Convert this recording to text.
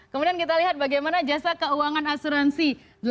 kemudian kita lihat bagaimana jasa keuangan asuransi